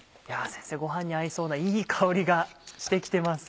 先生ご飯に合いそうないい香りがして来てます。